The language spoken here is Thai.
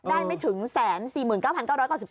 ได้ไม่ถึง๑๔๙๙๙